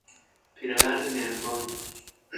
پیرمرد مهربان